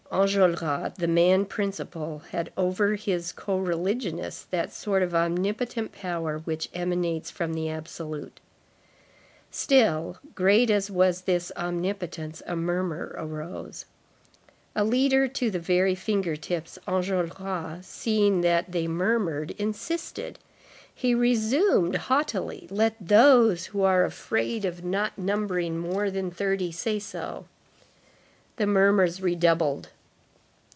Enjolras, the man principle, had over his co religionists that sort of omnipotent power which emanates from the absolute. Still, great as was this omnipotence, a murmur arose. A leader to the very finger tips, Enjolras, seeing that they murmured, insisted. He resumed haughtily: "Let those who are afraid of not numbering more than thirty say so." The murmurs redoubled.